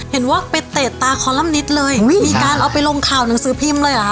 เห็นว่าไปเตะตาคอลัมนิสเลยมีการเอาไปลงข่าวหนังสือพิมพ์เลยเหรอ